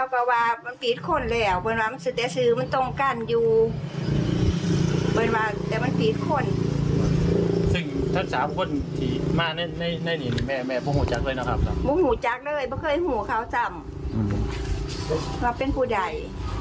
ผมเป็นผู้ใด